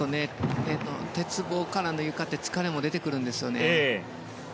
鉄棒からのゆかって疲れも出てくるんですよね。